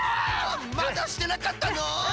まだしてなかったの？